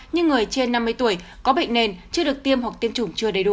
như người trên năm mươi tuổi có bệnh nền chưa được tiêm hoặc tiêm chủng chưa đầy đủ